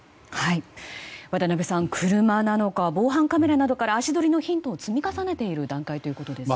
渡辺さん車、防犯カメラなどから足取りのヒントを積み重ねている段階ということですね。